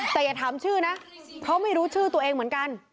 แต่อย่าถามชื่อนะเพราะไม่รู้ชื่อตัวเองเหมือนกัน